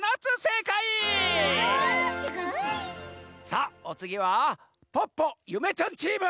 さあおつぎはポッポゆめちゃんチーム！